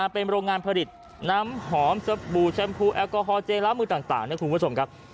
เป็นโรงงานผลิตน้ำหอมสบู่แชมพูแอลกอฮอลเจลล้างมือต่างนะคุณผู้ชมครับ